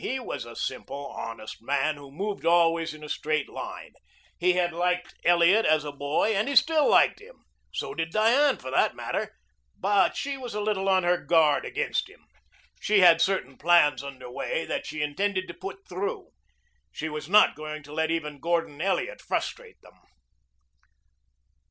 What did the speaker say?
He was a simple, honest man who moved always in a straight line. He had liked Elliot as a boy and he still liked him. So did Diane, for that matter, but she was a little on her guard against him. She had certain plans under way that she intended to put through. She was not going to let even Gordon Elliot frustrate them.